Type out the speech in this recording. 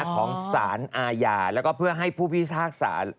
ของสารอาญาแล้วก็เพื่อให้ผู้พิธภาคศาสตร์